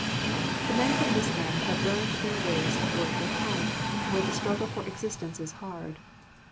The men from this land have learned their ways of work at home, where the struggle for existence is hard.